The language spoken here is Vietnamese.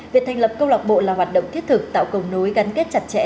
việc thành lập câu lạc bộ là hoạt động thiết thực tạo cầu nối gắn kết chặt chẽ